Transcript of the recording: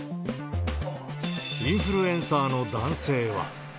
インフルエンサーの男性は。